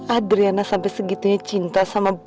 adriana sampai segitunya cinta sama bu